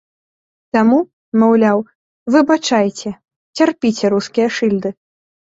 Таму, маўляў, выбачайце, цярпіце рускія шыльды.